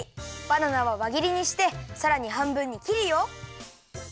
バナナはわぎりにしてさらにはんぶんにきるよ。